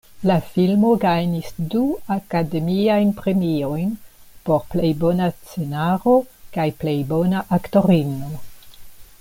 La filmo gajnis du Akademiajn Premiojn, por plej bona scenaro kaj plej bona aktorino.